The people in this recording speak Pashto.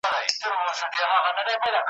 ملا جان مي د خوبونو تعبیر کښلی `